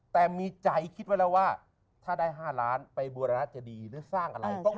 แต่มีใจคิดไว้แล้วว่าถ้าได้๕ล้านไปบูรณะจะดีหรือสร้างอะไร